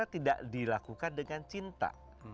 tidak dilakukan dengan cinta